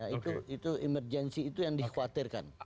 nah itu emergensi itu yang dikhawatirkan